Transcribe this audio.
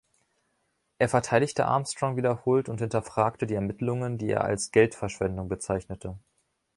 Er verteidigte Armstrong wiederholt und hinterfragte die Ermittlungen, die er als „Geldverschwendung“ bezeichnete.